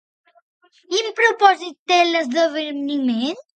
Quin propòsit té l'esdeveniment?